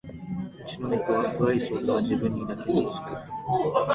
うちのネコは無愛想だが自分にだけなつく